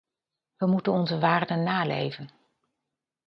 Wij moeten onze waarden naleven.